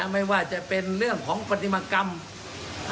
ไม่ว่าจะเป็นเรื่องของปฏิมากรรม